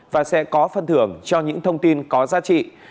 và sẽ có phần thưởng cho những thông tin có giá trị